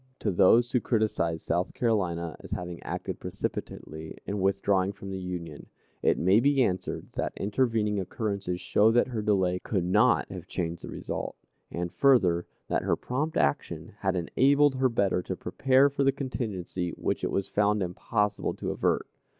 To those who criticise South Carolina as having acted precipitately in withdrawing from the Union, it may be answered that intervening occurrences show that her delay could not have changed the result; and, further, that her prompt action had enabled her better to prepare for the contingency which it was found impossible to avert.